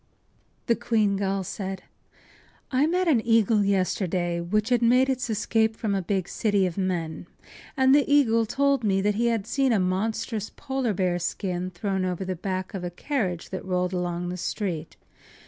” The queen gull said: “I met an eagle yesterday, which had made its escape from a big city of men. And the eagle told me he had seen a monstrous polar bear skin thrown over the back of a carriage that rolled along the street.